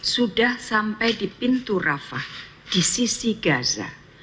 sudah sampai di pintu rafah di sisi gaza